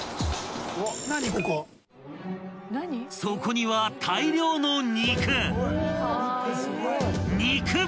［そこには大量の］